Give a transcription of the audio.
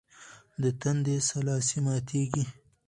د تندي سلاسې ماتېږي.